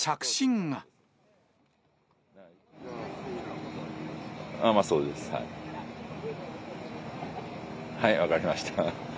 はい、分かりました。